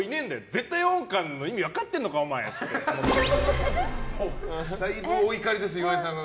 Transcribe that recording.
絶対音感の意味分かってんのかだいぶお怒りです、岩井さんが。